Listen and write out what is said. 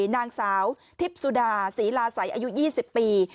นางสาวทิพย์สุดาศรีลาศัยอายุ๒๐ปี